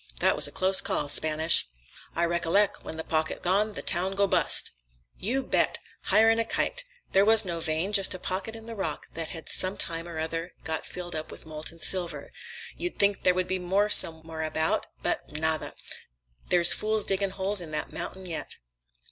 That was a close call, Spanish." "I recollec'. When the pocket gone, the town go bust." "You bet. Higher'n a kite. There was no vein, just a pocket in the rock that had sometime or another got filled up with molten silver. You'd think there would be more somewhere about, but nada. There's fools digging holes in that mountain yet."